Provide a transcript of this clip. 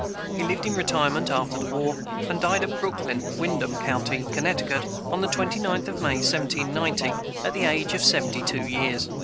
He lived in retirement after the war, and died at Brooklyn, Windham county, Connecticut, on the 29th of May, 1790, at the age of seventy two years.